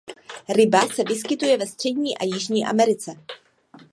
Ryba se vyskytuje ve Střední a Jižní Americe.